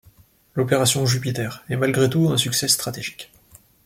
L'opération Jupiter est malgré tout un succès stratégique.